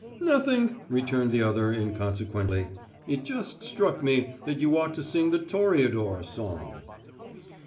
"Nothing," returned the other, inconsequently. "It just struck me that you ought to sing the Toreador song."